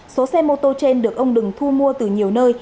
số xe mô tô trên được ông đừng thu mua từ nhiều nơi